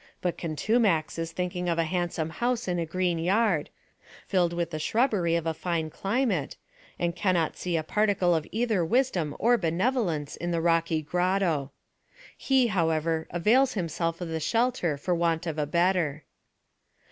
But Contumax is thinking of a handsome house in a green yard, filled wath the shrub bery of a fine climate, and cannot see a particle of either wisdom or benevolence in the rocky grotto. He, how ever, avails himself of the shelter for want of a better.